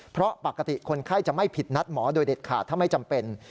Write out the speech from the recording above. เพราะปกติคนไข้จะไม่ผิดนัดหมอโดยเด็ดขาดถ้าไม่จำเป็น